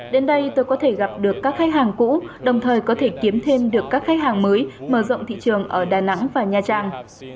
đến đây tôi có thể gặp được các khách hàng cũ đồng thời có thể kiếm thêm được các khách hàng mới mở rộng thị trường ở đà nẵng và nha trang